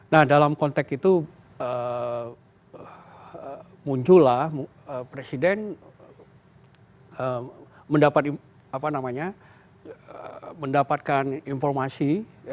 nah dalam konteks itu muncullah presiden mendapatkan informasi